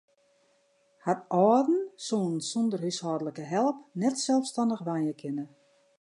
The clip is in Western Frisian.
Har âlden soene sûnder húshâldlike help net selsstannich wenje kinne.